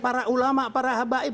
para ulama para habaib